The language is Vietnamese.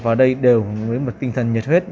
vào đây đều với một tinh thần nhiệt huyết